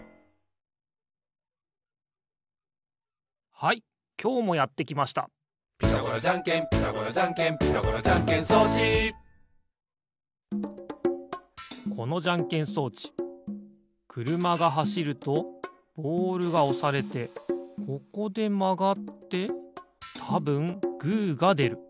はいきょうもやってきました「ピタゴラじゃんけんピタゴラじゃんけん」「ピタゴラじゃんけん装置」このじゃんけん装置くるまがはしるとボールがおされてここでまがってたぶんグーがでる。